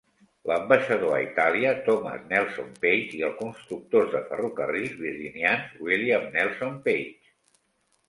L'ambaixador a Itàlia Thomas Nelson Page i el constructor de ferrocarrils Virginians William Nelson Page.